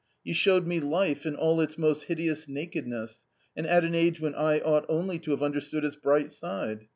You showed me life in all its most hideous nakedness, and at an age when I ought only to have understood its bright side.